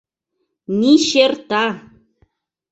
Ничерта!